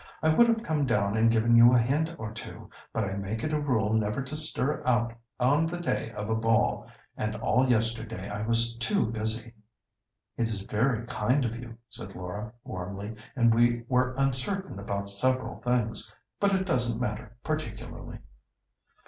I would have come down and given you a hint or two, but I make it a rule never to stir out on the day of a ball, and all yesterday I was too busy." "It is very kind of you," said Laura, warmly, "and we were uncertain about several things, but it doesn't matter particularly."